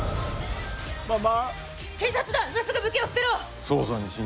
警察だ、今すぐ武器を捨てろ。